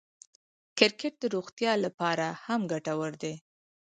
کرکټ د روغتیا له پاره هم ګټور دئ.